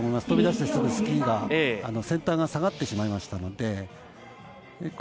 飛び出してすぐ、スキーの先端が下がってしまいましたので。